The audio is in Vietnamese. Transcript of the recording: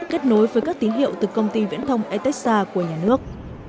kết nối với các tín hiệu từ công ty viễn thông etexa của nhà nước